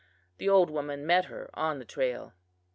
The old woman met her on the trail.